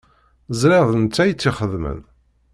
Ẓriɣ d netta i tt-ixedmen.